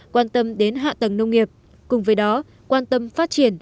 quan tâm đến hạ tầng nông nghiệp cùng với đó quan tâm phát triển